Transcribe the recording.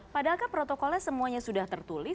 padahal kan protokolnya semuanya sudah tertulis